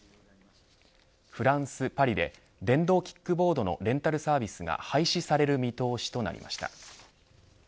フランス、パリで電動キックボードのレンタルサービスが廃止される見通しとなりました。